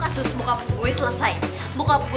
aku gak menghilang